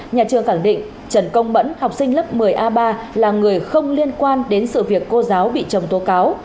nhà trường khẳng định trần công mẫn học sinh lớp một mươi a ba là người không liên quan đến sự việc cô giáo bị chồng tố cáo